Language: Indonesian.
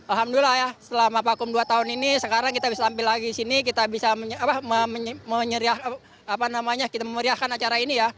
alhamdulillah ya selama pakum dua tahun ini sekarang kita bisa tampil lagi di sini kita bisa memeriahkan acara ini ya